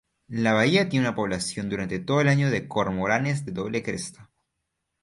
La bahía tiene una población durante todo el año de cormoranes de doble cresta.